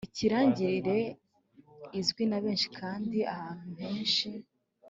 ikirangirire: izwi na benshi kandi ahantu henshi